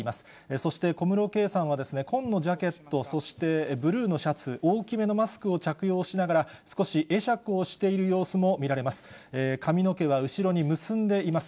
そして、小室圭さんは紺のジャケット、そしてブルーのシャツ、大きめのマスクを着用しながら、少し会釈をしている様子も見られます。